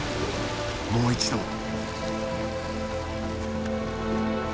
もう一度。